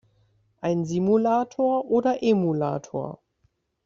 Ein Simulator oder Emulator?